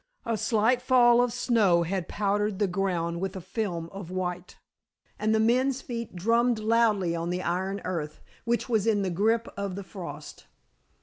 A slight fall of snow had powdered the ground with a film of white, and the men's feet drummed loudly on the iron earth, which was in the grip of the frost.